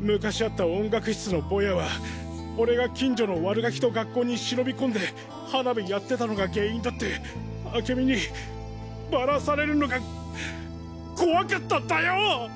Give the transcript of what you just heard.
昔あった音楽室のボヤは俺が近所の悪ガキと学校に忍び込んで花火やってたのが原因だって明美にバラされるのが怖かったんだよ！